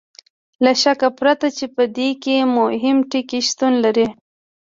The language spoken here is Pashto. له شک پرته چې په دې کې مهم ټکي شتون لري.